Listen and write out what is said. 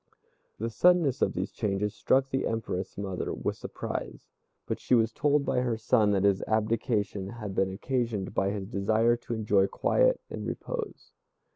The suddenness of these changes struck the Empress mother with surprise, but she was told by her son that his abdication had been occasioned by his desire to enjoy quiet and repose.